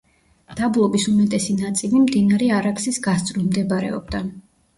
დაბლობის უმეტესი ნაწილი მდინარე არაქსის გასწვრივ მდებარეობდა.